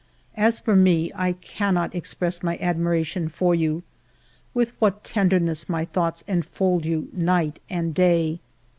As for me, I cannot express my admiration for you. With what tenderness my thoughts enfold you night and day